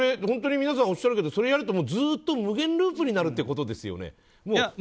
本当に皆さんおっしゃるけどそれをやるとずっと無限ループになるってことですよね？